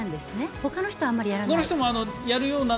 ほかの人はあまりやらない？